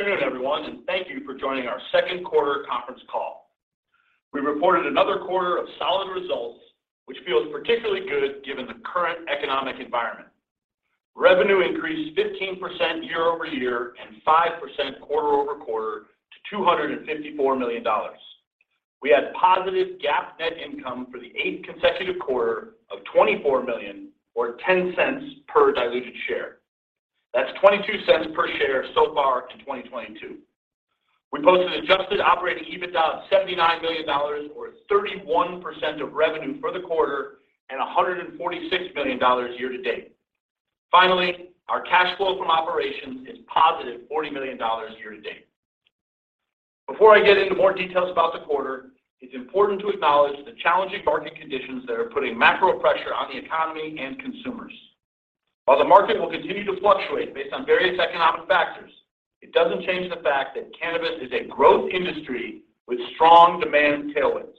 Good afternoon, everyone, and thank you for joining our second quarter conference call. We reported another quarter of solid results, which feels particularly good given the current economic environment. Revenue increased 15% year over year and 5% quarter over quarter to $254 million. We had positive GAAP net income for the eighth consecutive quarter of $24 million or $0.10 per diluted share. That's $0.22 per share so far in 2022. We posted adjusted operating EBITDA of $79 million, or 31% of revenue for the quarter, and $146 million year to date. Finally, our cash flow from operations is +$40 million year to date. Before I get into more details about the quarter, it's important to acknowledge the challenging market conditions that are putting macro pressure on the economy and consumers. While the market will continue to fluctuate based on various economic factors, it doesn't change the fact that cannabis is a growth industry with strong demand tailwinds.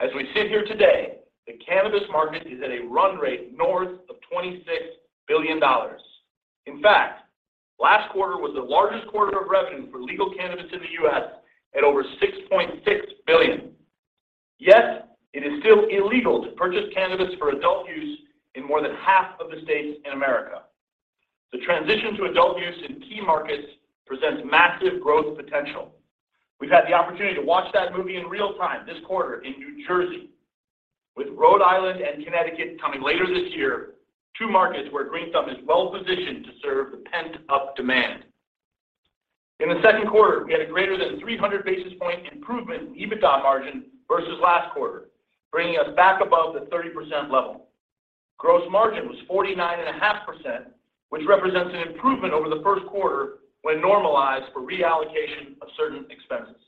As we sit here today, the cannabis market is at a run rate north of $26 billion. In fact, last quarter was the largest quarter of revenue for legal cannabis in the U.S. at over $6.6 billion. Yet it is still illegal to purchase cannabis for adult use in more than half of the states in America. The transition to adult use in key markets presents massive growth potential. We've had the opportunity to watch that movie in real time this quarter in New Jersey, with Rhode Island and Connecticut coming later this year, two markets where Green Thumb is well-positioned to serve the pent-up demand. In the second quarter, we had a greater than 300 basis points improvement in EBITDA margin versus last quarter, bringing us back above the 30% level. Gross margin was 49.5%, which represents an improvement over the first quarter when normalized for reallocation of certain expenses.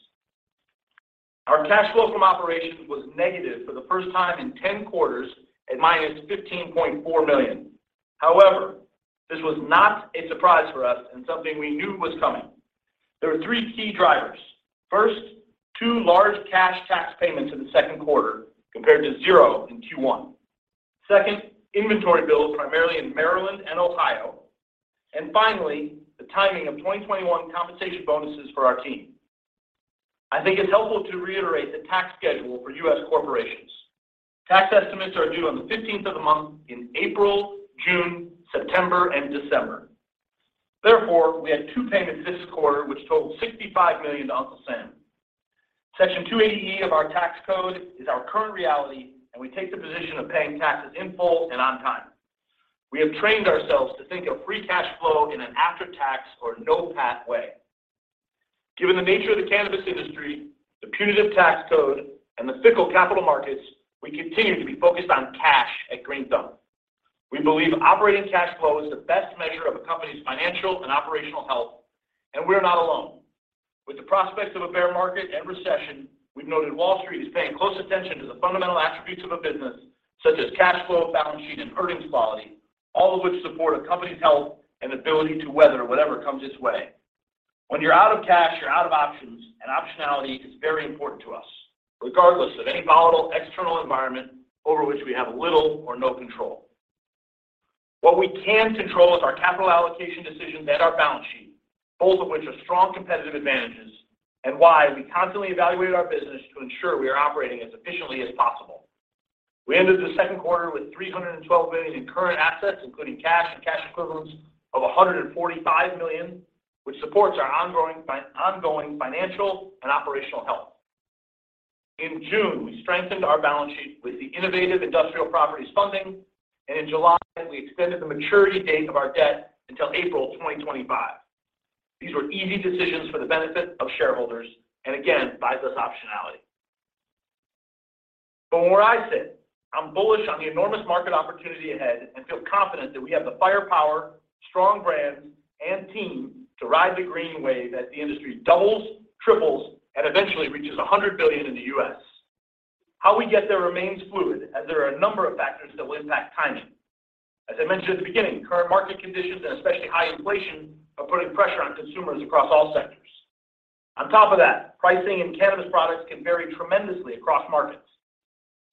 Our cash flow from operations was negative for the first time in 10 quarters at -$15.4 million. However, this was not a surprise for us and something we knew was coming. There were three key drivers. First, two large cash tax payments in the second quarter, compared to zero in Q1. Second, inventory builds primarily in Maryland and Ohio. And finally, the timing of 2021 compensation bonuses for our team. I think it's helpful to reiterate the tax schedule for U.S. corporations. Tax estimates are due on the fifteenth of the month in April, June, September, and December. Therefore, we had two payments this quarter, which totaled $65 million to Uncle Sam. Section 280E of our tax code is our current reality, and we take the position of paying taxes in full and on time. We have trained ourselves to think of free cash flow in an after-tax or NOPAT way. Given the nature of the cannabis industry, the punitive tax code, and the fickle capital markets, we continue to be focused on cash at Green Thumb. We believe operating cash flow is the best measure of a company's financial and operational health, and we're not alone. With the prospects of a bear market and recession, we've noted Wall Street is paying close attention to the fundamental attributes of a business such as cash flow, balance sheet, and earnings quality, all of which support a company's health and ability to weather whatever comes its way. When you're out of cash, you're out of options, and optionality is very important to us, regardless of any volatile external environment over which we have little or no control. What we can control is our capital allocation decisions and our balance sheet, both of which are strong competitive advantages, and why we constantly evaluate our business to ensure we are operating as efficiently as possible. We ended the second quarter with $312 million in current assets, including cash and cash equivalents of $145 million, which supports our ongoing financial and operational health. In June, we strengthened our balance sheet with the Innovative Industrial Properties funding, and in July, we extended the maturity date of our debt until April 2025. These were easy decisions for the benefit of shareholders and again, buys us optionality. From where I sit, I'm bullish on the enormous market opportunity ahead and feel confident that we have the firepower, strong brands, and team to ride the green wave as the industry doubles, triples, and eventually reaches $100 billion in the U.S. How we get there remains fluid as there are a number of factors that will impact timing. As I mentioned at the beginning, current market conditions and especially high inflation are putting pressure on consumers across all sectors. On top of that, pricing in cannabis products can vary tremendously across markets.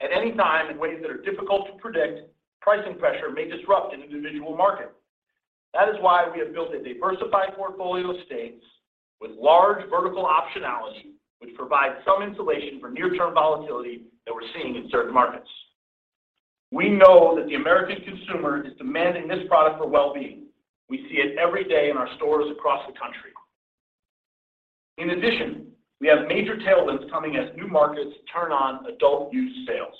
At any time, in ways that are difficult to predict, pricing pressure may disrupt an individual market. That is why we have built a diversified portfolio of states with large vertical optionality, which provides some insulation for near-term volatility that we're seeing in certain markets. We know that the American consumer is demanding this product for well-being. We see it every day in our stores across the country. In addition, we have major tailwinds coming as new markets turn on adult use sales.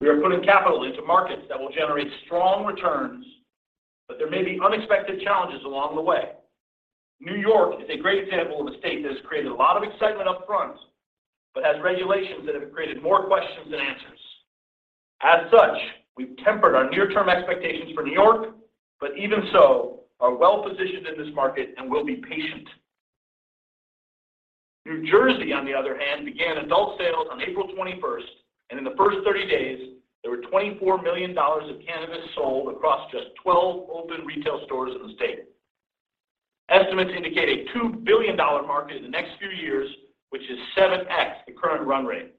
We are putting capital into markets that will generate strong returns, but there may be unexpected challenges along the way. New York is a great example of a state that has created a lot of excitement up front, but has regulations that have created more questions than answers. As such, we've tempered our near-term expectations for New York, but even so, are well-positioned in this market and will be patient. New Jersey, on the other hand, began adult sales on April 21st, and in the first 30 days, there were $24 million of cannabis sold across just 12 open retail stores in the state. Estimates indicate a $2 billion market in the next few years, which is 7x the current run rate.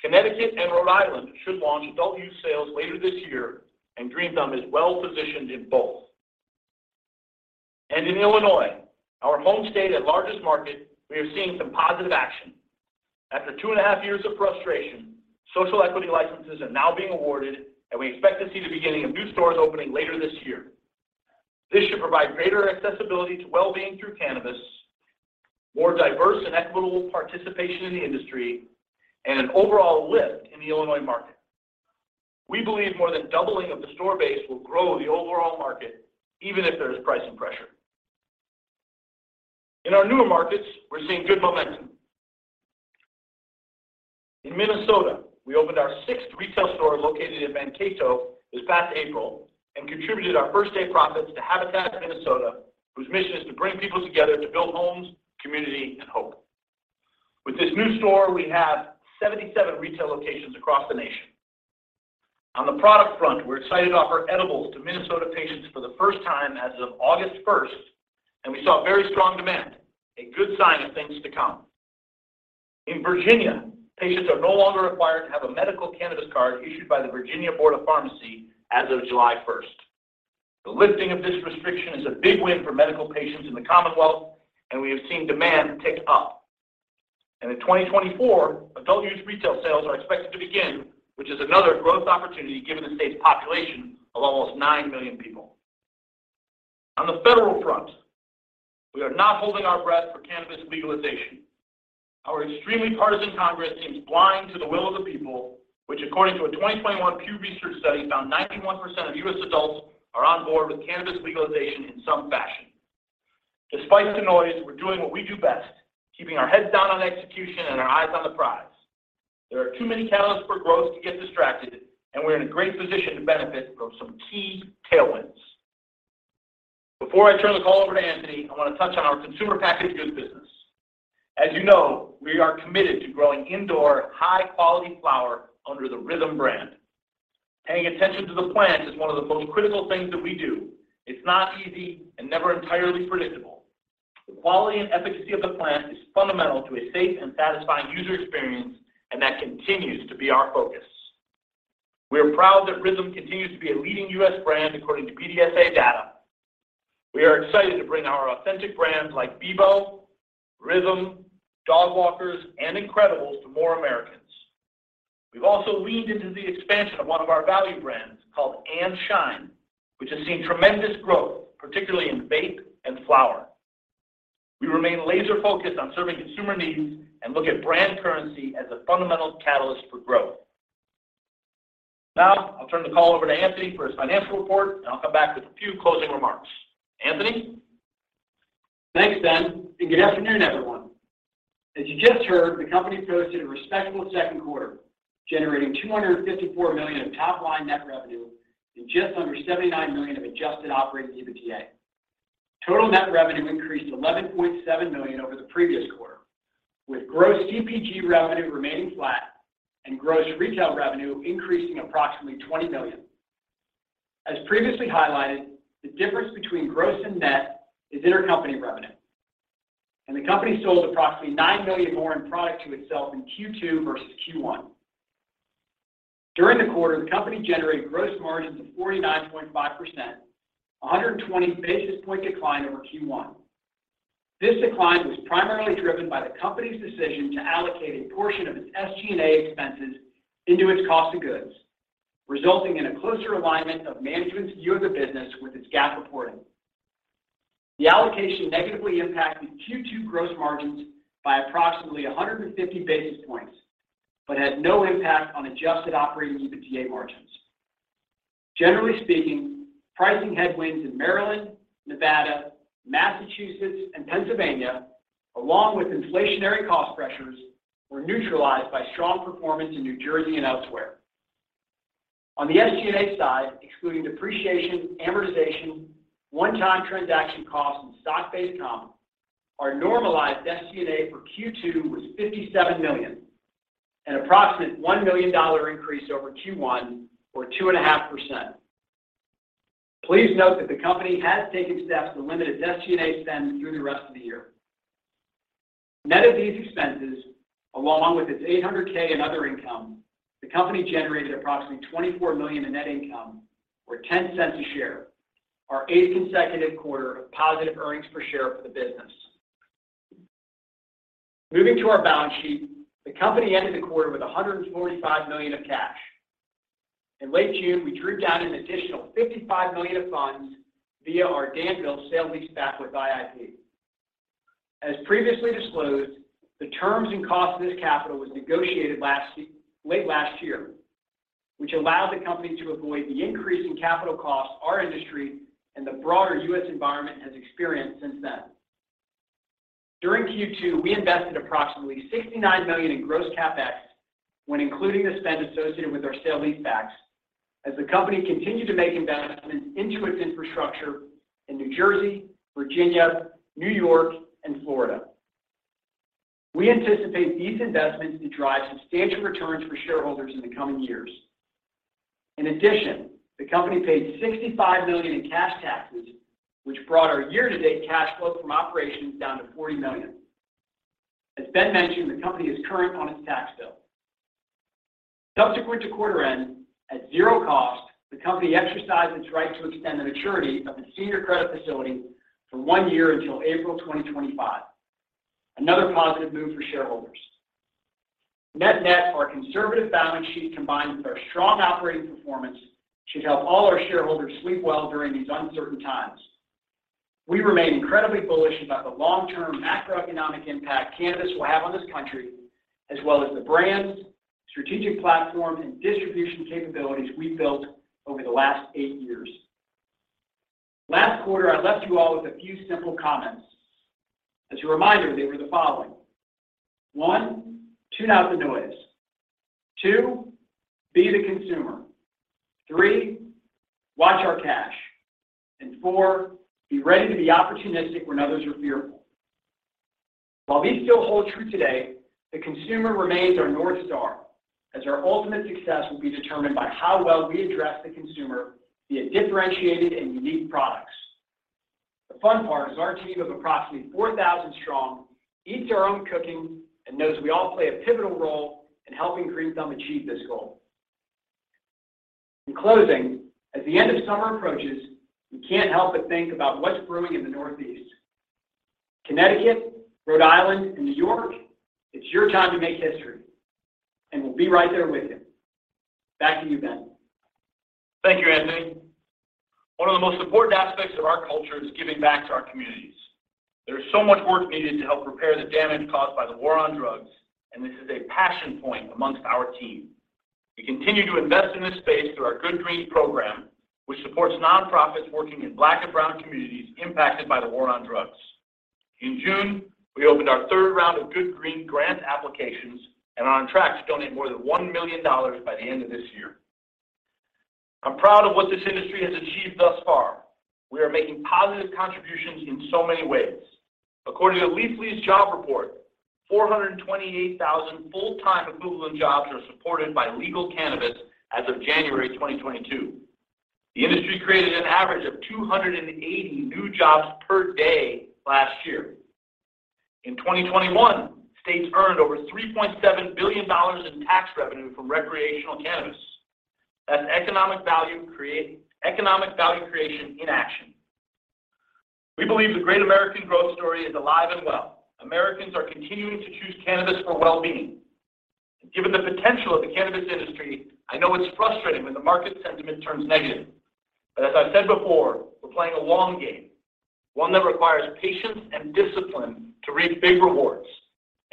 Connecticut and Rhode Island should launch adult-use sales later this year, and Green Thumb is well-positioned in both. In Illinois, our home state and largest market, we are seeing some positive action. After 2.5 years of frustration, social equity licenses are now being awarded, and we expect to see the beginning of new stores opening later this year. This should provide greater accessibility to well-being through cannabis, more diverse and equitable participation in the industry, and an overall lift in the Illinois market. We believe more than doubling of the store base will grow the overall market, even if there is pricing pressure. In our newer markets, we're seeing good momentum. In Minnesota, we opened our sixth retail store located in Mankato this past April and contributed our first-day profits to Habitat for Humanity of Minnesota, whose mission is to bring people together to build homes, community, and hope. With this new store, we have 77 retail locations across the nation. On the product front, we're excited to offer edibles to Minnesota patients for the first time as of August first, and we saw very strong demand, a good sign of things to come. In Virginia, patients are no longer required to have a medical cannabis card issued by the Virginia Board of Pharmacy as of July 1. The lifting of this restriction is a big win for medical patients in the Commonwealth, and we have seen demand tick up. In 2024, adult-use retail sales are expected to begin, which is another growth opportunity given the state's population of almost 9 million people. On the federal front, we are not holding our breath for cannabis legalization. Our extremely partisan Congress seems blind to the will of the people, which according to a 2021 Pew Research Center study found 91% of U.S. adults are on board with cannabis legalization in some fashion. Despite the noise, we're doing what we do best, keeping our heads down on execution and our eyes on the prize. There are too many catalysts for growth to get distracted, and we're in a great position to benefit from some key tailwinds. Before I turn the call over to Anthony, I want to touch on our consumer packaged goods business. As you know, we are committed to growing indoor high-quality flower under the RYTHM brand. Paying attention to the plant is one of the most critical things that we do. It's not easy and never entirely predictable. The quality and efficacy of the plant is fundamental to a safe and satisfying user experience, and that continues to be our focus. We are proud that RYTHM continues to be a leading U.S. brand according to BDSA data. We are excited to bring our authentic brands like Beboe, RYTHM, Dogwalkers, and incredibles to more Americans. We've also leaned into the expansion of one of our value brands called &SHINE, which has seen tremendous growth, particularly in vape and flower. We remain laser-focused on serving consumer needs and look at brand currency as a fundamental catalyst for growth. Now I'll turn the call over to Anthony for his financial report, and I'll come back with a few closing remarks. Anthony? Thanks, Ben, and good afternoon, everyone. As you just heard, the company posted a respectable second quarter, generating $254 million of top-line net revenue and just under $79 million of adjusted operating EBITDA. Total net revenue increased $11.7 million over the previous quarter, with gross CPG revenue remaining flat and gross retail revenue increasing approximately $20 million. As previously highlighted, the difference between gross and net is intercompany revenue, and the company sold approximately $9 million more in product to itself in Q2 versus Q1. During the quarter, the company generated gross margins of 49.5%, a 120 basis point decline over Q1. This decline was primarily driven by the company's decision to allocate a portion of its SG&A expenses into its cost of goods, resulting in a closer alignment of management's view of the business with its GAAP reporting. The allocation negatively impacted Q2 gross margins by approximately 150 basis points but had no impact on adjusted operating EBITDA margins. Generally speaking, pricing headwinds in Maryland, Nevada, Massachusetts, and Pennsylvania, along with inflationary cost pressures, were neutralized by strong performance in New Jersey and elsewhere. On the SG&A side, excluding depreciation, amortization, one-time transaction costs, and stock-based comp, our normalized SG&A for Q2 was $57 million, an approximate $1 million increase over Q1, or 2.5%. Please note that the company has taken steps to limit its SG&A spend through the rest of the year. Net of these expenses, along with its $800,000 in other income, the company generated approximately $24 million in net income, or $0.10 a share, our eighth consecutive quarter of positive earnings per share for the business. Moving to our balance sheet, the company ended the quarter with $145 million of cash. In late June, we drew down an additional $55 million of funds via our Danville sale leaseback with IIP. As previously disclosed, the terms and cost of this capital was negotiated late last year, which allowed the company to avoid the increase in capital costs our industry and the broader U.S. environment has experienced since then. During Q2, we invested approximately $69 million in gross CapEx when including the spend associated with our sale leasebacks as the company continued to make investments into its infrastructure in New Jersey, Virginia, New York, and Florida. We anticipate these investments to drive substantial returns for shareholders in the coming years. In addition, the company paid $65 million in cash taxes, which brought our year-to-date cash flow from operations down to $40 million. As Ben mentioned, the company is current on its tax bill. Subsequent to quarter end, at zero cost, the company exercised its right to extend the maturity of its senior credit facility for one year until April 2025, another positive move for shareholders. Net-net, our conservative balance sheet combined with our strong operating performance should help all our shareholders sleep well during these uncertain times. We remain incredibly bullish about the long-term macroeconomic impact cannabis will have on this country, as well as the brands, strategic platform, and distribution capabilities we've built over the last eight years. Last quarter, I left you all with a few simple comments. As a reminder, they were the following. One, tune out the noise. Two, be the consumer. Three, watch our cash. And four, be ready to be opportunistic when others are fearful. While these still hold true today, the consumer remains our North Star, as our ultimate success will be determined by how well we address the consumer via differentiated and unique products. The fun part is our team of approximately 4,000 strong eats our own cooking and knows we all play a pivotal role in helping Green Thumb achieve this goal. In closing, as the end of summer approaches, we can't help but think about what's brewing in the Northeast. Connecticut, Rhode Island, and New York, it's your time to make history, and we'll be right there with you. Back to you, Ben. Thank you, Anthony. One of the most important aspects of our culture is giving back to our communities. There is so much work needed to help repair the damage caused by the war on drugs, and this is a passion point amongst our team. We continue to invest in this space through our Good Green program, which supports nonprofits working in black and brown communities impacted by the war on drugs. In June, we opened our third round of Good Green grant applications and are on track to donate more than $1 million by the end of this year. I'm proud of what this industry has achieved thus far. We are making positive contributions in so many ways. According to Leafly's job report, 428,000 full-time equivalent jobs are supported by legal cannabis as of January 2022. The industry created an average of 280 new jobs per day last year. In 2021, states earned over $3.7 billion in tax revenue from recreational cannabis. That's economic value creation in action. We believe the great American growth story is alive and well. Americans are continuing to choose cannabis for well-being. Given the potential of the cannabis industry, I know it's frustrating when the market sentiment turns negative. As I've said before, we're playing a long game, one that requires patience and discipline to reap big rewards.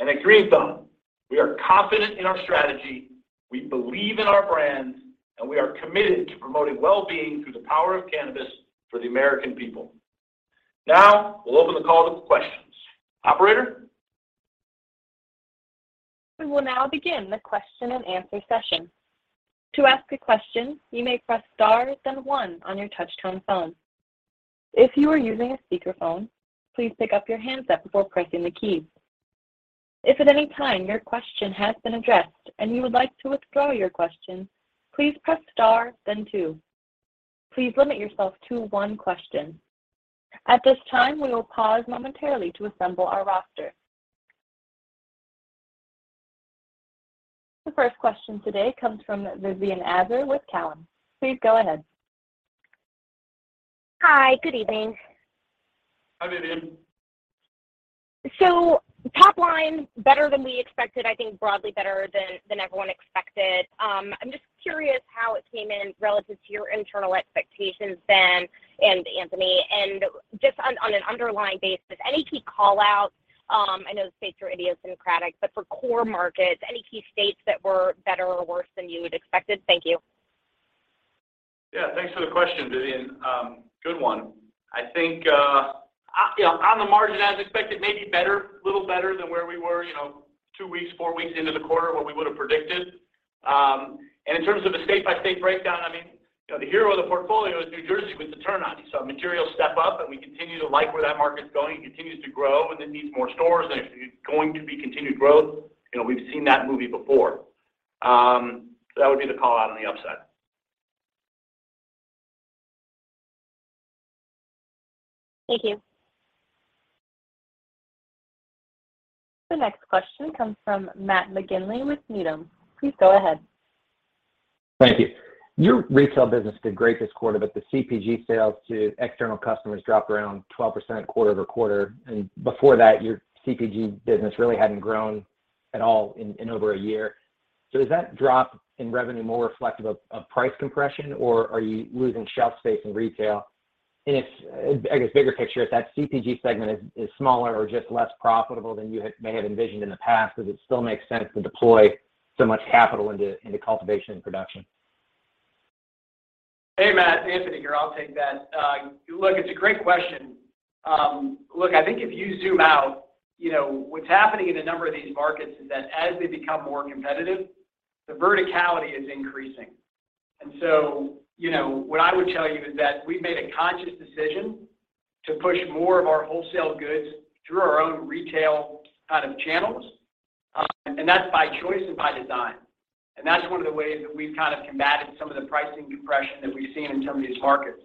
At Green Thumb, we are confident in our strategy, we believe in our brands, and we are committed to promoting well-being through the power of cannabis for the American people. Now, we'll open the call up for questions. Operator? We will now begin the question and answer session. To ask a question, you may press star, then one on your touch-tone phone. If you are using a speakerphone, please pick up your handset before pressing the key. If at any time your question has been addressed and you would like to withdraw your question, please press star, then two. Please limit yourself to one question. At this time, we will pause momentarily to assemble our roster. The first question today comes from Vivien Azer with Cowen. Please go ahead. Hi. Good evening. Hi, Vivien. Top line, better than we expected, I think broadly better than everyone expected. I'm just curious how it came in relative to your internal expectations, Ben and Anthony. Just on an underlying basis, any key call-outs, I know the states are idiosyncratic, but for core markets, any key states that were better or worse than you had expected? Thank you. Yeah. Thanks for the question, Vivien. Good one. I think, you know, on the margin as expected, maybe better, a little better than where we were, you know, two weeks, four weeks into the quarter, what we would have predicted. In terms of a state-by-state breakdown, I mean, you know, the hero of the portfolio is New Jersey with the turn-on. You saw a material step up, and we continue to like where that market's going. It continues to grow, and it needs more stores, and there's going to be continued growth. You know, we've seen that movie before. That would be the call-out on the upside. Thank you. The next question comes from Matt McGinley with Needham. Please go ahead. Thank you. Your retail business did great this quarter, but the CPG sales to external customers dropped around 12% quarter-over-quarter. Before that, your CPG business really hadn't grown at all in over a year. Is that drop in revenue more reflective of price compression, or are you losing shelf space in retail? If, I guess, bigger picture, if that CPG segment is smaller or just less profitable than you may have envisioned in the past, does it still make sense to deploy so much capital into cultivation and production? Hey, Matt, Anthony here. I'll take that. Look, it's a great question. Look, I think if you zoom out, you know, what's happening in a number of these markets is that as they become more competitive, the verticality is increasing. You know, what I would tell you is that we've made a conscious decision to push more of our wholesale goods through our own retail kind of channels, and that's by choice and by design. That's one of the ways that we've kind of combated some of the pricing compression that we've seen in some of these markets.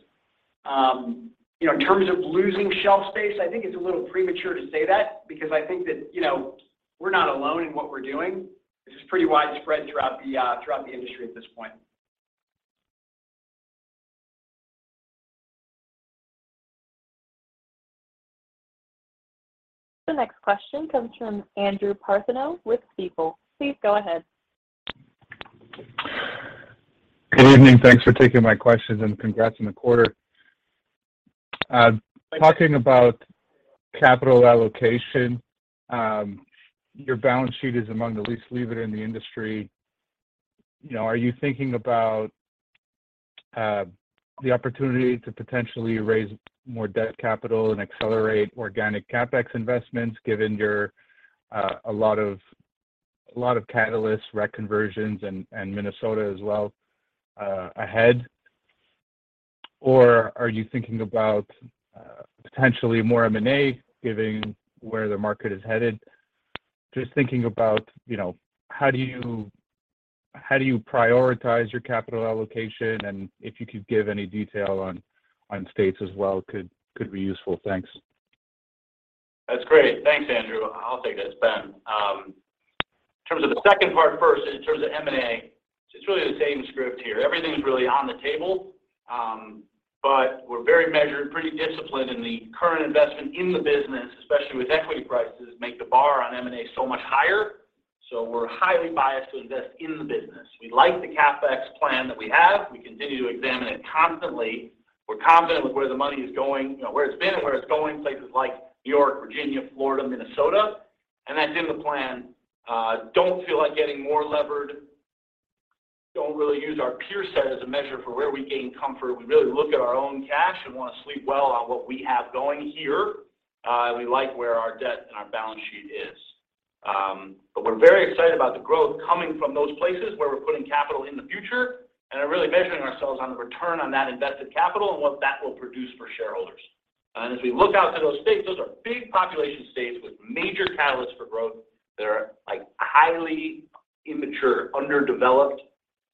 You know, in terms of losing shelf space, I think it's a little premature to say that because I think that, you know, we're not alone in what we're doing. This is pretty widespread throughout the industry at this point. The next question comes from Andrew Partheniou with Stifel. Please go ahead. Good evening. Thanks for taking my questions, and congrats on the quarter. Talking about capital allocation, your balance sheet is among the least levered in the industry. You know, are you thinking about the opportunity to potentially raise more debt capital and accelerate organic CapEx investments given your a lot of catalysts, rec conversions and Minnesota as well ahead? Or are you thinking about potentially more M&A given where the market is headed? Just thinking about, you know, how do you prioritize your capital allocation and if you could give any detail on states as well, could be useful. Thanks. That's great. Thanks, Andrew. I'll take this, Ben. In terms of the second part first, in terms of M&A, it's really the same script here. Everything's really on the table, but we're very measured, pretty disciplined in the current investment in the business, especially with equity prices make the bar on M&A so much higher. So we're highly biased to invest in the business. We like the CapEx plan that we have. We continue to examine it constantly. We're confident with where the money is going, you know, where it's been and where it's going, places like New York, Virginia, Florida, Minnesota, and that's in the plan. Don't feel like getting more levered. Don't really use our peer set as a measure for where we gain comfort. We really look at our own cash and wanna sleep well on what we have going here. We like where our debt and our balance sheet is. We're very excited about the growth coming from those places where we're putting capital in the future and are really measuring ourselves on the return on that invested capital and what that will produce for shareholders. As we look out to those states, those are big population states with major catalysts for growth that are, like, highly immature, underdeveloped,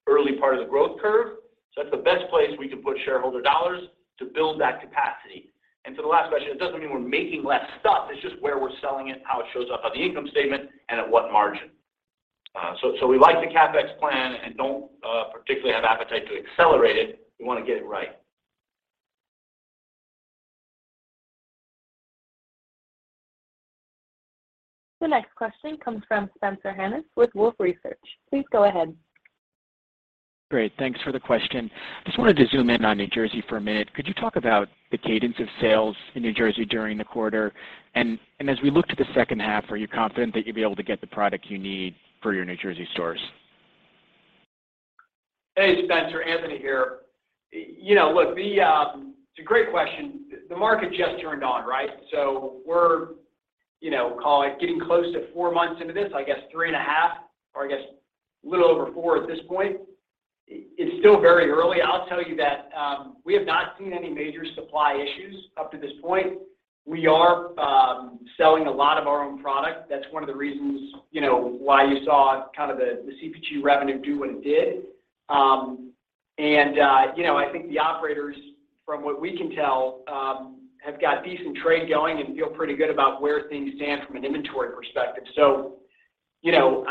early part of the growth curve. That's the best place we can put shareholder dollars to build that capacity. To the last question, it doesn't mean we're making less stuff. It's just where we're selling it, how it shows up on the income statement, and at what margin. We like the CapEx plan and don't particularly have appetite to accelerate it. We wanna get it right. The next question comes from Spencer Hanus with Wolfe Research. Please go ahead. Great. Thanks for the question. Just wanted to zoom in on New Jersey for a minute. Could you talk about the cadence of sales in New Jersey during the quarter? As we look to the second half, are you confident that you'll be able to get the product you need for your New Jersey stores? Hey, Spencer, Anthony here. You know, look, it's a great question. The market just turned on, right? We're, you know, call it getting close to four months into this. I guess three and a half, or I guess a little over four at this point. It's still very early. I'll tell you that. We have not seen any major supply issues up to this point. We are selling a lot of our own product. That's one of the reasons, you know, why you saw kind of the CPG revenue do what it did. You know, I think the operators, from what we can tell, have got decent trade going and feel pretty good about where things stand from an inventory perspective. You know,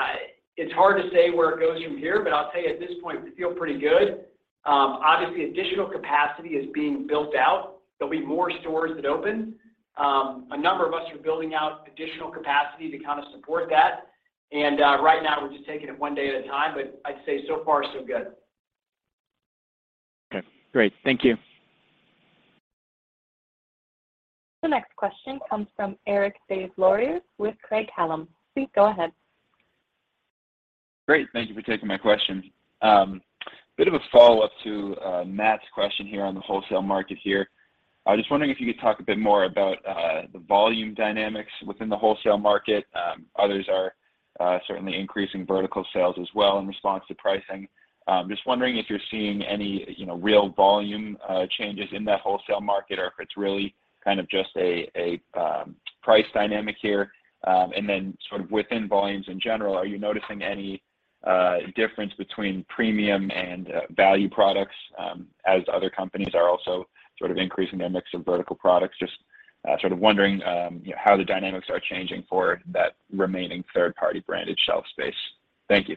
it's hard to say where it goes from here, but I'll tell you at this point, we feel pretty good. Obviously, additional capacity is being built out. There'll be more stores that open. A number of us are building out additional capacity to kinda support that. Right now we're just taking it one day at a time, but I'd say so far so good. Okay, great. Thank you. The next question comes from Eric Des Lauriers with Craig-Hallum. Please go ahead. Great. Thank you for taking my question. Bit of a follow-up to Matt's question here on the wholesale market here. I was just wondering if you could talk a bit more about the volume dynamics within the wholesale market. Others are certainly increasing vertical sales as well in response to pricing. Just wondering if you're seeing any, you know, real volume changes in that wholesale market or if it's really kind of just a price dynamic here. Sort of within volumes in general, are you noticing any difference between premium and value products, as other companies are also sort of increasing their mix of vertical products? Just sort of wondering, you know, how the dynamics are changing for that remaining third-party branded shelf space. Thank you.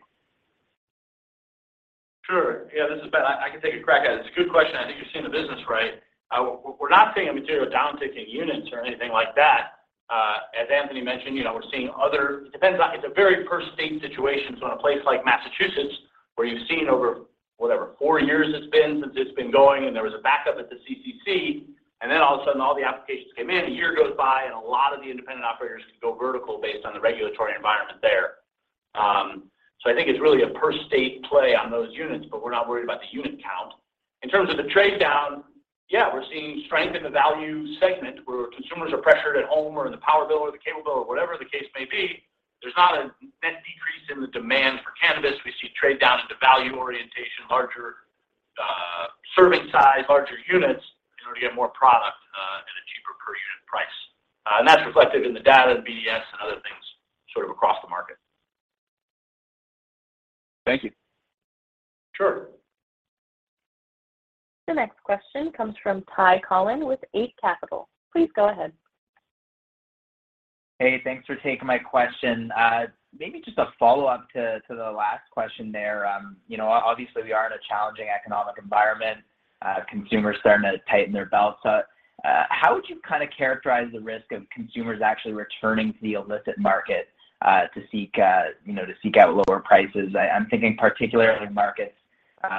Sure. Yeah. This is Ben. I can take a crack at it. It's a good question. I think you're seeing the business right. We're not seeing a material downtick in units or anything like that. As Anthony mentioned, you know, it depends on. It's a very per state situation. In a place like Massachusetts, where you've seen over four years since it's been going, and there was a backup at the CCC, and then all of a sudden all the applications came in, a year goes by, and a lot of the independent operators can go vertical based on the regulatory environment there. I think it's really a per state play on those units, but we're not worried about the unit count. In terms of the trade down, yeah, we're seeing strength in the value segment where consumers are pressured at home, or in the power bill, or the cable bill, or whatever the case may be. There's not a net decline in the demand for cannabis, we see trade down into value orientation, larger serving size, larger units in order to get more product at a cheaper per unit price. That's reflected in the data, the BDSA, and other things sort of across the market. Thank you. Sure. The next question comes from Ty Collin with Eight Capital. Please go ahead. Hey, thanks for taking my question. Maybe just a follow-up to the last question there. You know, obviously, we are in a challenging economic environment. Consumers starting to tighten their belts. How would you kind of characterize the risk of consumers actually returning to the illicit market, to seek, you know, to seek out lower prices? I'm thinking particularly markets,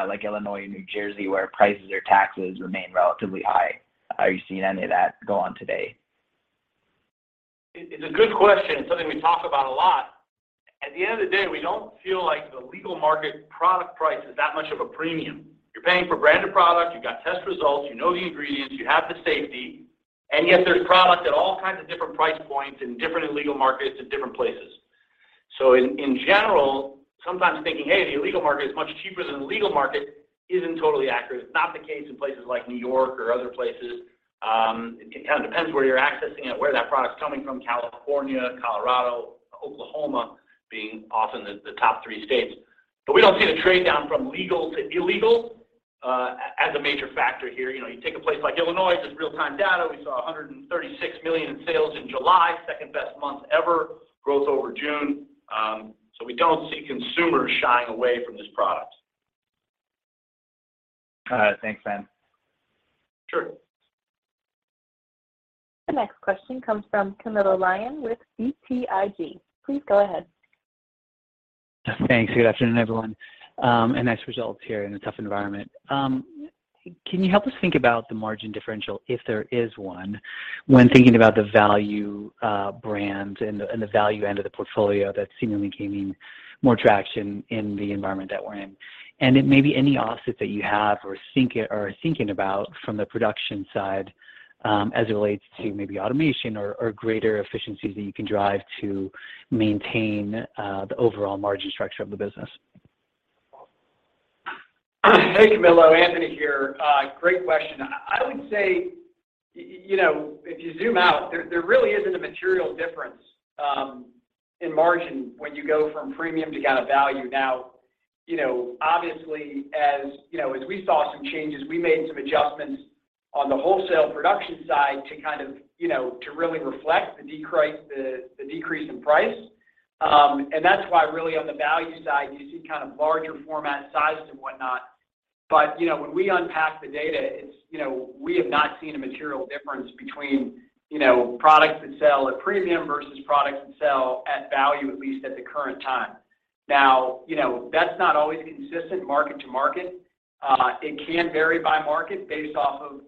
like Illinois and New Jersey, where prices or taxes remain relatively high. Are you seeing any of that go on today? It's a good question. It's something we talk about a lot. At the end of the day, we don't feel like the legal market product price is that much of a premium. You're paying for branded product, you've got test results, you know the ingredients, you have the safety, and yet there's product at all kinds of different price points in different illegal markets and different places. In general, sometimes thinking, "Hey, the illegal market is much cheaper than the legal market," isn't totally accurate. It's not the case in places like New York or other places. It kind of depends where you're accessing it, where that product's coming from, California, Colorado, Oklahoma being often the top three states. We don't see the trade down from legal to illegal as a major factor here. You know, you take a place like Illinois, just real-time data, we saw $136 million in sales in July, second-best month ever, growth over June. We don't see consumers shying away from this product. All right. Thanks, Ben. Sure. The next question comes from Camilo Lyon with BTIG. Please go ahead. Thanks. Good afternoon, everyone. A nice result here in a tough environment. Can you help us think about the margin differential, if there is one, when thinking about the value brand and the value end of the portfolio that seemingly gaining more traction in the environment that we're in? Then maybe any offset that you have or are thinking about from the production side, as it relates to maybe automation or greater efficiencies that you can drive to maintain the overall margin structure of the business. Hey, Camilo, Anthony here. Great question. I would say, you know, if you zoom out, there really isn't a material difference in margin when you go from premium to kind of value. Now, you know, obviously, as you know, as we saw some changes, we made some adjustments on the wholesale production side to kind of, you know, to really reflect the decrease in price. That's why really on the value side, you see kind of larger format sizes and whatnot. You know, when we unpack the data, it's, you know, we have not seen a material difference between, you know, products that sell at premium versus products that sell at value, at least at the current time. Now, you know, that's not always consistent market to market. It can vary by market based off of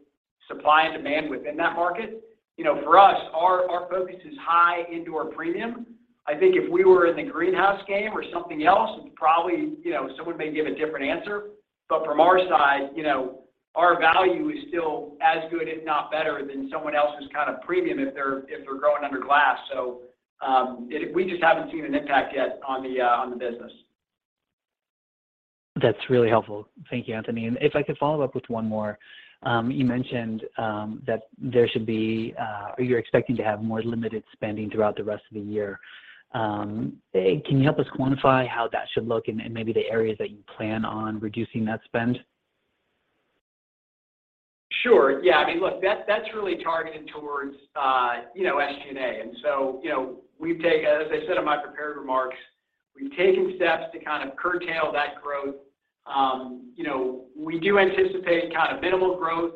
supply and demand within that market. You know, for us, our focus is high into our premium. I think if we were in the greenhouse game or something else, probably, you know, someone may give a different answer. But from our side, you know, our value is still as good, if not better, than someone else's kind of premium if they're growing under glass. We just haven't seen an impact yet on the business. That's really helpful. Thank you, Anthony. If I could follow up with one more. You mentioned that there should be or you're expecting to have more limited spending throughout the rest of the year. Can you help us quantify how that should look and maybe the areas that you plan on reducing that spend? Sure. Yeah. I mean, look, that's really targeted towards, you know, SG&A. You know, we've taken, as I said in my prepared remarks, steps to kind of curtail that growth. You know, we do anticipate kind of minimal growth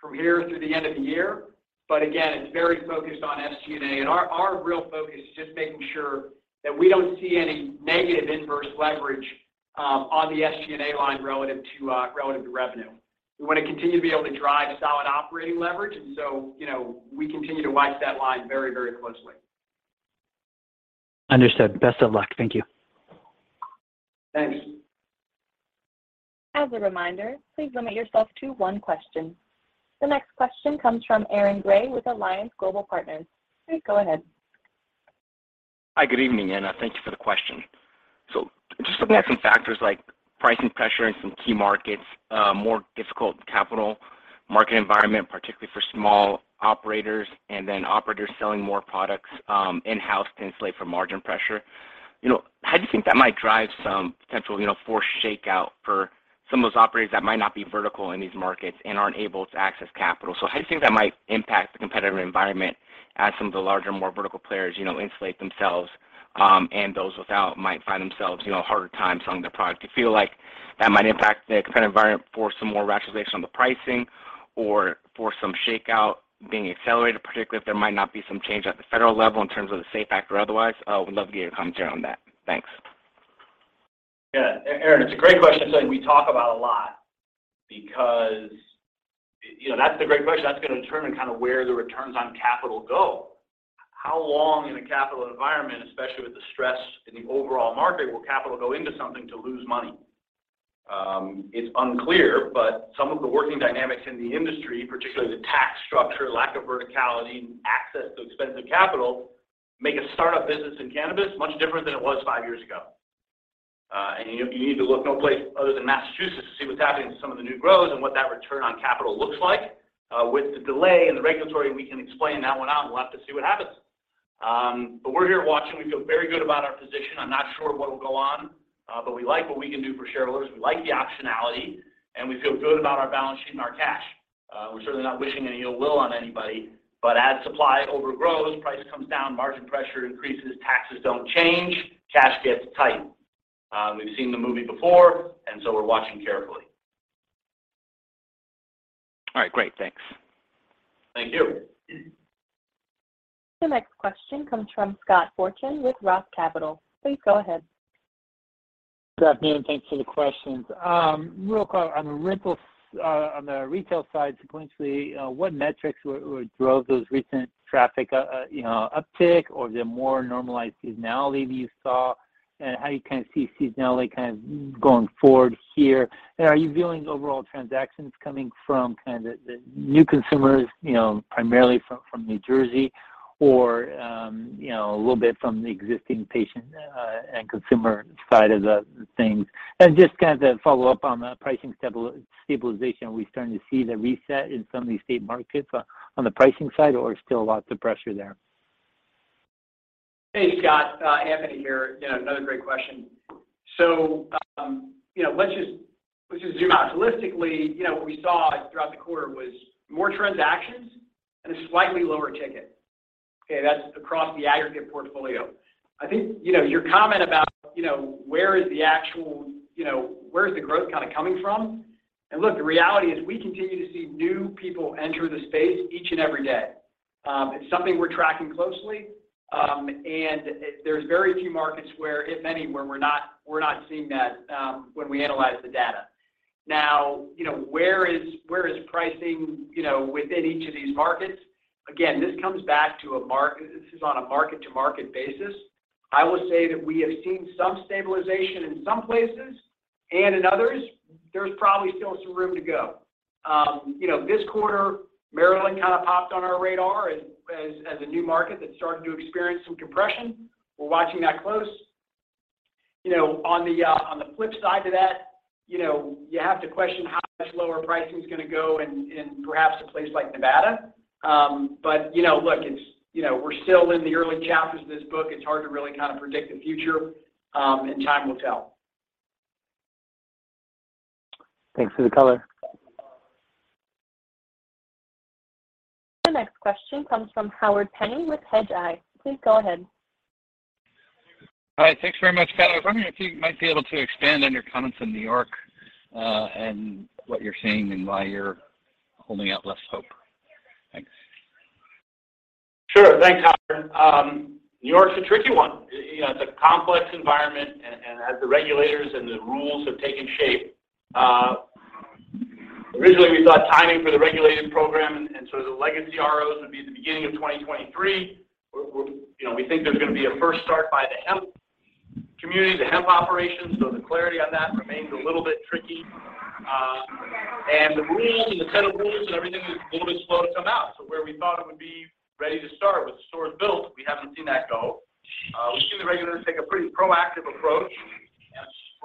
from here through the end of the year. Again, it's very focused on SG&A. Our real focus is just making sure that we don't see any negative inverse leverage on the SG&A line relative to revenue. We wanna continue to be able to drive solid operating leverage. You know, we continue to watch that line very closely. Understood. Best of luck. Thank you. Thanks. As a reminder, please limit yourself to one question. The next question comes from Aaron Grey with Alliance Global Partners. Please go ahead. Hi. Good evening, and thank you for the question. Just looking at some factors like pricing pressure in some key markets, more difficult capital market environment, particularly for small operators, and then operators selling more products, in-house to insulate from margin pressure. You know, how do you think that might drive some potential, you know, forced shakeout for some of those operators that might not be vertical in these markets and aren't able to access capital? How do you think that might impact the competitive environment as some of the larger, more vertical players, you know, insulate themselves, and those without might find themselves, you know, a harder time selling their product? Do you feel like that might impact the competitive environment for some more rationalization on the pricing or for some shakeout being accelerated, particularly if there might not be some change at the federal level in terms of the SAFE Act or otherwise? I would love to get your commentary on that. Thanks. Yeah. Aaron, it's a great question. Something we talk about a lot because, you know, that's the great question. That's gonna determine kind of where the returns on capital go. How long in a capital environment, especially with the stress in the overall market, will capital go into something to lose money? It's unclear, but some of the working dynamics in the industry, particularly the tax structure, lack of verticality, and access to expensive capital, make a startup business in cannabis much different than it was five years ago. You need to look no place other than Massachusetts to see what's happening to some of the new grows and what that return on capital looks like. With the delay in the regulatory, we can explain that one out, and we'll have to see what happens. We're here watching. We feel very good about our position. I'm not sure what will go on, but we like what we can do for shareholders. We like the optionality, and we feel good about our balance sheet and our cash. We're certainly not wishing any ill will on anybody. As supply overgrows, price comes down, margin pressure increases, taxes don't change, cash gets tight. We've seen the movie before, and so we're watching carefully. All right. Great. Thanks. Thank you. The next question comes from Scott Fortune with Roth Capital. Please go ahead. Good afternoon, and thanks for the questions. Real quick, on the retail side sequentially, what metrics drove those recent traffic you know uptick, or the more normalized seasonality that you saw, and how you kind of see seasonality kind of going forward here? Are you viewing overall transactions coming from kind of the new consumers, you know, primarily from New Jersey or you know a little bit from the existing patient and consumer side of the things? Just kind of to follow up on the pricing stabilization, are we starting to see the reset in some of these state markets on the pricing side, or still lots of pressure there? Hey, Scott. Anthony here. You know, another great question. You know, let's just zoom out. Holistically, you know, what we saw throughout the quarter was more transactions and a slightly lower ticket. Okay. That's across the aggregate portfolio. I think, you know, your comment about, you know, where is the actual, you know, where is the growth kinda coming from? Look, the reality is we continue to see new people enter the space each and every day. It's something we're tracking closely. There's very few markets where, if any, where we're not seeing that, when we analyze the data. Now, you know, where is pricing, you know, within each of these markets? Again, this comes back to a market to market basis. I will say that we have seen some stabilization in some places, and in others, there's probably still some room to go. You know, this quarter, Maryland kind of popped on our radar as a new market that's starting to experience some compression. We're watching that close. You know, on the flip side to that, you know, you have to question how much lower pricing is gonna go in perhaps a place like Nevada. You know, look, it's, you know, we're still in the early chapters of this book. It's hard to really kind of predict the future, and time will tell. Thanks for the color. The next question comes from Howard Penney with Hedgeye. Please go ahead. Hi. Thanks very much. I was wondering if you might be able to expand on your comments on New York, and what you're seeing and why you're holding out less hope? Thanks. Sure. Thanks, Howard. New York's a tricky one. You know, it's a complex environment, and as the regulators and the rules have taken shape, originally, we thought timing for the regulated program and so the legacy ROs would be the beginning of 2023. We're. You know, we think there's gonna be a first start by the hemp community, the hemp operations, so the clarity on that remains a little bit tricky. And the rules and the set of rules and everything is a little bit slow to come out. Where we thought it would be ready to start with the stores built, we haven't seen that go. We've seen the regulators take a pretty proactive approach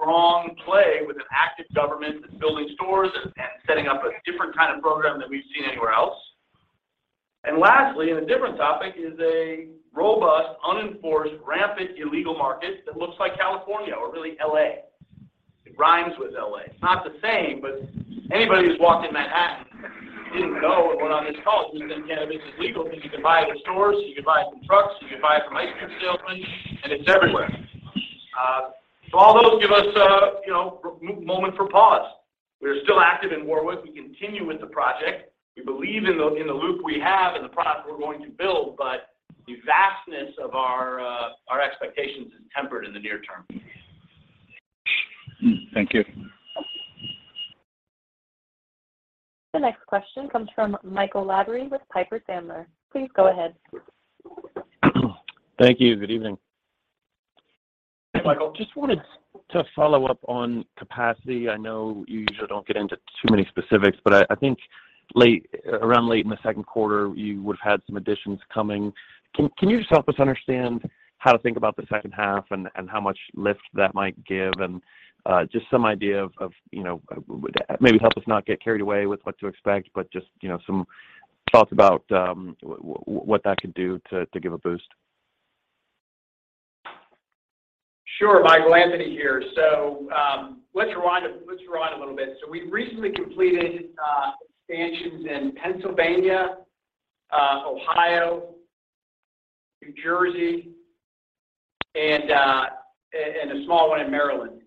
and a strong play with an active government that's building stores and setting up a different kind of program than we've seen anywhere else. Lastly, in a different topic, is a robust, unenforced, rampant illegal market that looks like California or really L.A. It rhymes with L.A. Not the same, but anybody who's walked in Manhattan who didn't know what on this call, who said cannabis is legal, think you can buy it in stores, you can buy it from trucks, you can buy it from ice cream salesmen, and it's everywhere. All those give us, you know, a moment for pause. We are still active in Warwick. We continue with the project. We believe in the loop we have and the product we're going to build, but the vastness of our expectations is tempered in the near term. Thank you. The next question comes from Michael Lavery with Piper Sandler. Please go ahead. Thank you. Good evening. Hey, Michael. Just wanted to follow up on capacity. I know you usually don't get into too many specifics, but I think around late in the second quarter, you would have had some additions coming. Can you just help us understand how to think about the second half and how much lift that might give? Just some idea of, you know, maybe help us not get carried away with what to expect, but just, you know, some thoughts about what that could do to give a boost. Sure, Michael. Anthony here. Let's rewind a little bit. We've recently completed expansions in Pennsylvania, Ohio, New Jersey, and a small one in Maryland.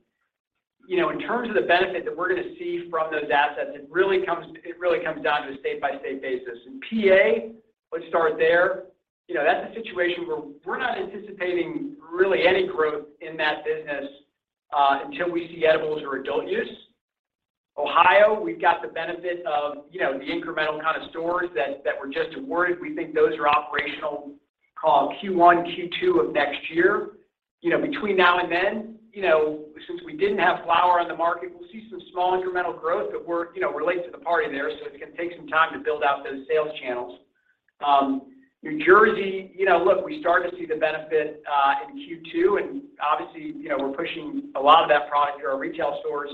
You know, in terms of the benefit that we're gonna see from those assets, it really comes down to a state-by-state basis. In PA, let's start there. You know, that's a situation where we're not anticipating really any growth in that business until we see edibles or adult use. Ohio, we've got the benefit of, you know, the incremental kind of stores that were just awarded. We think those are operational call Q1, Q2 of next year. You know, between now and then, you know, since we didn't have flower on the market, we'll see some small incremental growth, but we're, you know, late to the party there, so it's gonna take some time to build out those sales channels. New Jersey, you know, look, we start to see the benefit in Q2, and obviously, you know, we're pushing a lot of that product through our retail stores.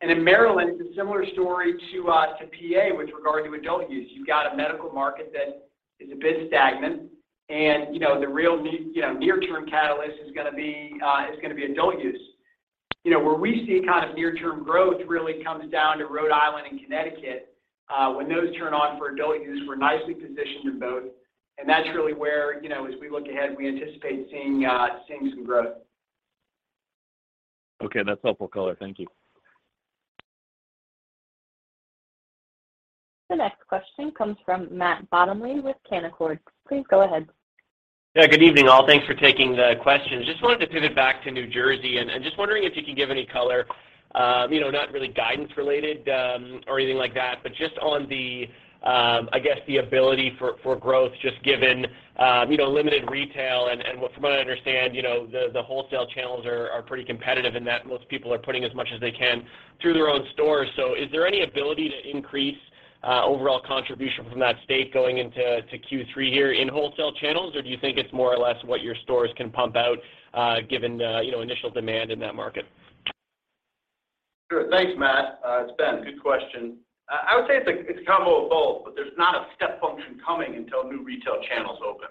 In Maryland, it's a similar story to PA with regard to adult use. You've got a medical market that is a bit stagnant and, you know, the real near term catalyst is gonna be adult use. You know, where we see kind of near term growth really comes down to Rhode Island and Connecticut. When those turn on for adult use, we're nicely positioned in both, and that's really where, you know, as we look ahead, we anticipate seeing some growth. Okay. That's helpful color. Thank you. The next question comes from Matt Bottomley with Canaccord Genuity. Please go ahead. Yeah, good evening, all. Thanks for taking the questions. Just wanted to pivot back to New Jersey and just wondering if you could give any color, you know, not really guidance related or anything like that, but just on the I guess the ability for growth just given, you know, limited retail and from what I understand, you know, the wholesale channels are pretty competitive in that most people are putting as much as they can through their own stores. So is there any ability to increase overall contribution from that state going into Q3 here in wholesale channels? Or do you think it's more or less what your stores can pump out, given the, you know, initial demand in that market? Sure. Thanks, Matt. It's Ben. Good question. I would say it's a combo of both, but there's not a step function coming until new retail channels open.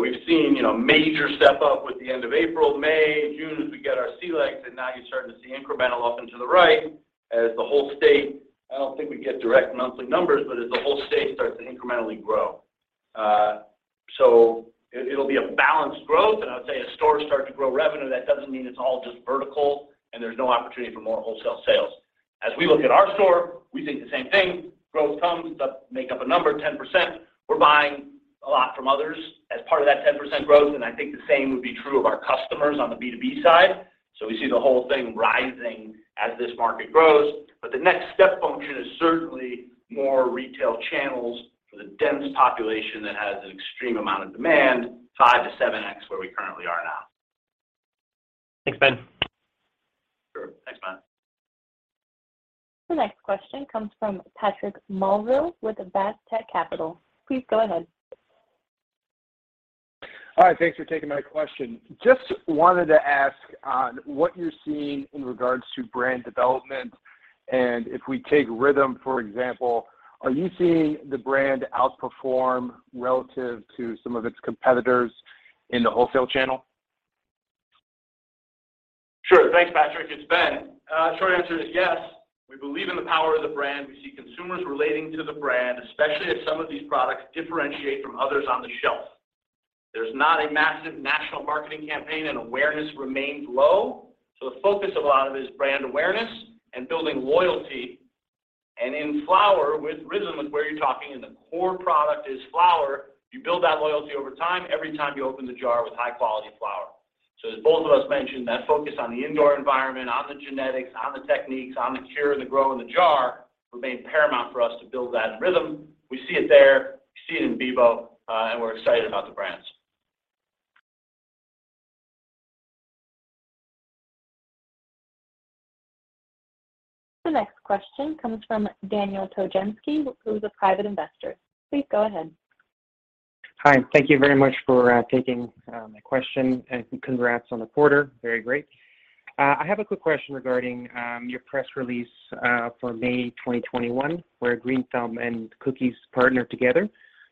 We've seen, you know, major step up with the end of April, May, June, as we get our sea likes, and now you're starting to see incremental up and to the right as the whole state. I don't think we get direct monthly numbers, but as the whole state starts to incrementally grow. It'll be a balanced growth, and I would say as stores start to grow revenue, that doesn't mean it's all just vertical and there's no opportunity for more wholesale sales. As we look at our store, we think the same thing. Growth comes, make up a number, 10%. We're buying a lot from others as part of that 10% growth, and I think the same would be true of our customers on the B2B side. We see the whole thing rising as this market grows, but the next step function is certainly more retail channels for the dense population that has an extreme amount of demand, 5-7x where we currently are now. Thanks, Ben. Sure. Thanks, Matt. The next question comes from Patrick Morrow with Berenberg Capital. Please go ahead. Hi. Thanks for taking my question. Just wanted to ask what you're seeing in regards to brand development, and if we take RYTHM, for example, are you seeing the brand outperform relative to some of its competitors in the wholesale channel? Sure. Thanks, Patrick. It's Ben. Short answer is yes. We believe in the power of the brand. We see consumers relating to the brand, especially if some of these products differentiate from others on the shelf. There's not a massive national marketing campaign, and awareness remains low, so the focus a lot of it is brand awareness and building loyalty. In flower, with RYTHM is where you're talking, and the core product is flower. You build that loyalty over time every time you open the jar with high-quality flower. As both of us mentioned, that focus on the indoor environment, on the genetics, on the techniques, on the cure, the grow in the jar remains paramount for us to build that in RYTHM. We see it there. We see it in Beboe, and we're excited about the brands. The next question comes from Daniel Tochinskiy, who is a private investor. Please go ahead. Hi, thank you very much for taking my question, and congrats on the quarter. Very great. I have a quick question regarding your press release for May 2021, where Green Thumb and Cookies partnered together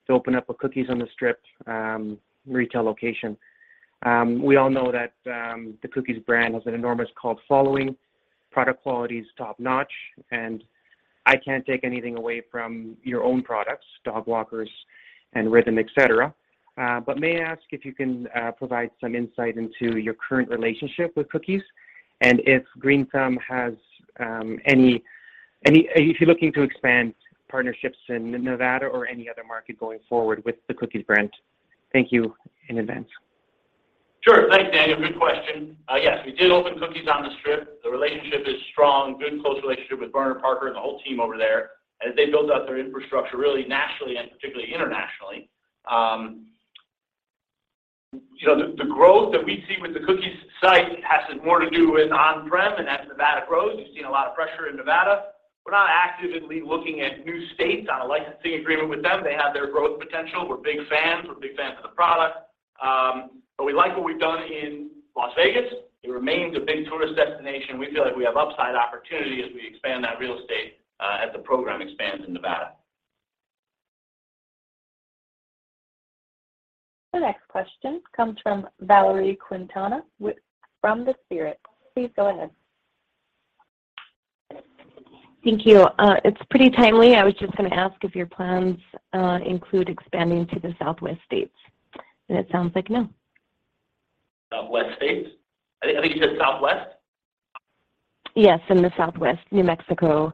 to open up a Cookies on the Strip retail location. We all know that the Cookies brand has an enormous cult following, product quality is top-notch, and I can't take anything away from your own products, Dogwalkers and RYTHM, et cetera. May I ask if you can provide some insight into your current relationship with Cookies, and if you're looking to expand partnerships in Nevada or any other market going forward with the Cookies brand. Thank you in advance. Sure. Thanks, Daniel. Good question. Yes, we did open Cookies on the Strip. The relationship is strong. Good close relationship with Berner Parker and the whole team over there as they built out their infrastructure really nationally and particularly internationally. You know, the growth that we see with the Cookies site has more to do with on-prem and as Nevada grows. You've seen a lot of pressure in Nevada. We're not actively looking at new states on a licensing agreement with them. They have their growth potential. We're big fans of the product. But we like what we've done in Las Vegas. It remains a big tourist destination. We feel like we have upside opportunity as we expand that real estate, as the program expands in Nevada. The next question comes from Valerie Quintana from The Appeal. Please go ahead. Thank you. It's pretty timely. I was just gonna ask if your plans include expanding to the Southwest states. It sounds like no. Southwest states? I think you said Southwest. Yes, in the Southwest. New Mexico,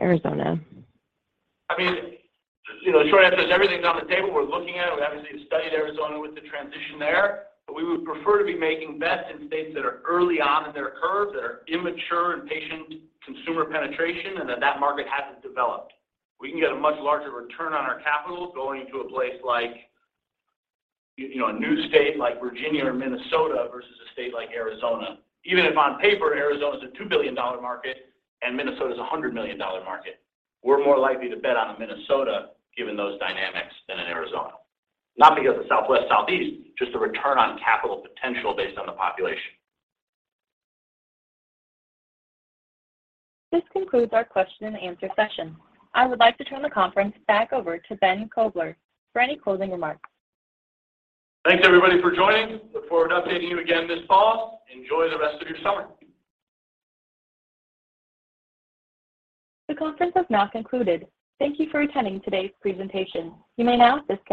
Arizona. I mean, you know, the short answer is everything's on the table. We're looking at it. We obviously have studied Arizona with the transition there, but we would prefer to be making bets in states that are early on in their curves, that are immature in patient consumer penetration, and that that market hasn't developed. We can get a much larger return on our capital going into a place like, you know, a new state like Virginia or Minnesota versus a state like Arizona. Even if on paper, Arizona is a $2 billion market and Minnesota is a $100 million market, we're more likely to bet on a Minnesota given those dynamics than an Arizona. Not because of Southwest, Southeast, just the return on capital potential based on the population. This concludes our question and answer session. I would like to turn the conference back over to Ben Kovler for any closing remarks. Thanks, everybody, for joining. Look forward to updating you again this fall. Enjoy the rest of your summer. The conference has now concluded. Thank you for attending today's presentation. You may now disconnect.